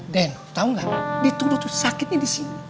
den tau gak dituduh tuh sakitnya disini